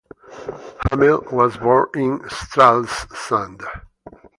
Hamel was born in Stralsund.